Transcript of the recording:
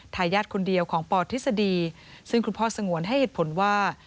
ทายาทคนเดียวของปทฤษฎีซึ่งคุณพ่อสงวนให้เหตุผลว่า